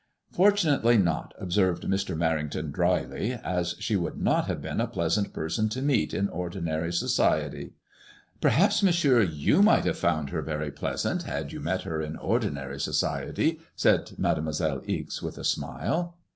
" Fortunately not," observed Mr. Merrington, dryly, "as she would not have been a pleasant person to meet in ordinary so ciety." Perhaps, Monsieur, you might have found her very pleasant had you met her in ordinary society," said Mademoiselle '^xc, with a smile. ia8 MADEMOISELLE IXB.'